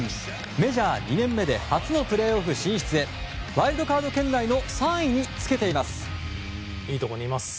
メジャー２年目で初のプレーオフ進出へワイルドカード圏内の３位につけています。